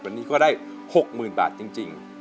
วันนี้ก็ได้๖๐๐๐บาทจริง